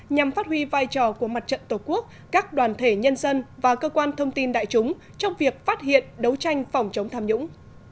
nhằm phát huy vai trò của mặt trận tổ quốc các đoàn thể nhân dân và cơ quan thông tin đại chúng trong việc phát hiện đấu tranh phòng chống tham nhũng